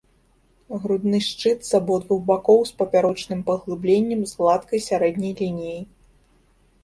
Грудны шчыт з абодвух бакоў з папярочным паглыбленнем, з гладкай сярэдняй лініяй.